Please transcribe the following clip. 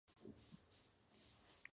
Finalmente, se produce una mezcla completa.